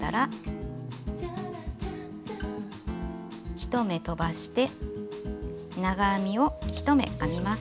１目とばして長編みを１目編みます。